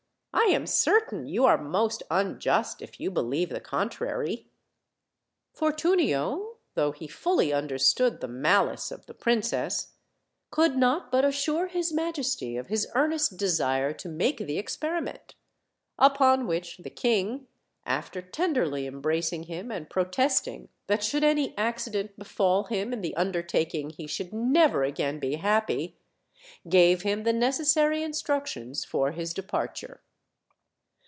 I am certain you are most unjust if you believe the contrary." Fortunio, though he fully understood the malice of the princess, could not but assure his majesty of his earnest desire to make the experiment; upon which the king, after tenderly embracing him and protesting that should any accident befall him in the undertaking he should never again be happy, gave him the necessary in structions for his departure.